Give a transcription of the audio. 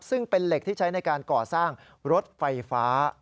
ซึ่งเป็นเหล็กที่ใช้ในการก่อสร้างรถไฟฟ้า